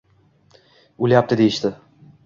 O‘lyapti deyishdi.